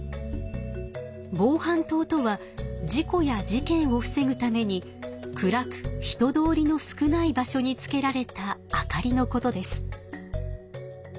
防犯灯とは事故や事件をふせぐために暗く人通りの少ない場所につけられた明かりのことです。